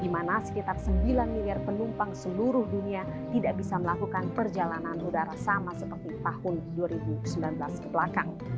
di mana sekitar sembilan miliar penumpang seluruh dunia tidak bisa melakukan perjalanan udara sama seperti tahun dua ribu sembilan belas kebelakang